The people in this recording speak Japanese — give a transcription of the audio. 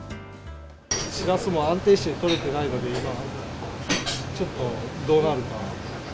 しらすも安定して取れてないので、今ちょっとどうなるか。